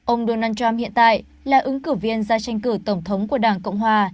ông donald trump hiện tại là ứng cử viên ra tranh cử tổng thống của đảng cộng hòa